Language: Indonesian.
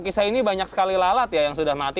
kisah ini banyak sekali lalat ya yang sudah mati